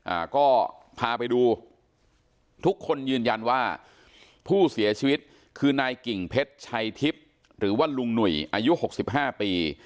อ่าก็พาไปดูทุกคนยืนยันว่าผู้เสียชีวิตคือนายกิ่งเพชรชัยทิพย์หรือว่าลุงหนุ่ยอายุหกสิบห้าปี